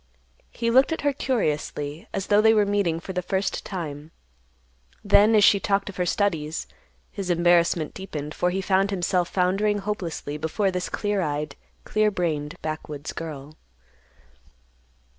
He looked at her curiously, as though they were meeting for the first time. Then, as she talked of her studies, his embarrassment deepened, for he found himself foundering hopelessly before this clear eyed, clear brained backwoods girl.